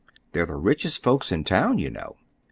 They're the richest folks in town, you know."